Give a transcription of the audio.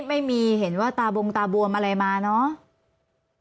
ไม่มีเห็นว่าตาบงตาบวมอะไรมาเนอะ